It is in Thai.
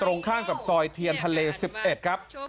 ตรงข้างกับซอยเทียนทะเล๑๑ครับ